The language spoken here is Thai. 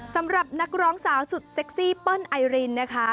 สำหรับนักร้องสาวสุดเซ็กซี่เปิ้ลไอรินนะคะ